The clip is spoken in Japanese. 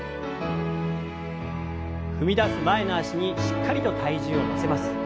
踏み出す前の脚にしっかりと体重を乗せます。